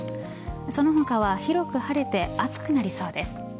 その他は広く晴れて暑くなりそうです。